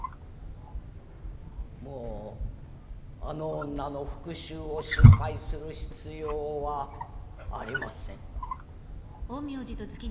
もうあの女の復讐を心配する必要はありません。